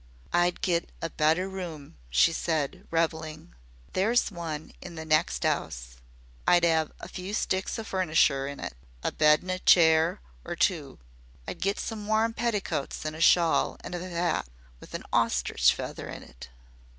"I'd get a better room," she said, revelling. "There's one in the next 'ouse. I'd 'ave a few sticks o' furnisher in it a bed an' a chair or two. I'd get some warm petticuts an' a shawl an' a 'at with a ostrich feather in it.